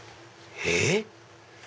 えっ！